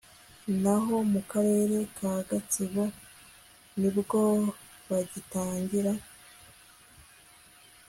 naho mu karere ka gatsibo nibwo bagitangira